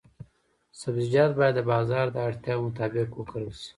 سبزیجات باید د بازار د اړتیاوو مطابق وکرل شي.